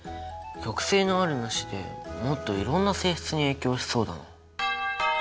極性のあるなしでもっといろんな性質に影響しそうだ。